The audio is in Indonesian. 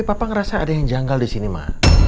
tapi papa ngerasa ada yang janggal di sini ma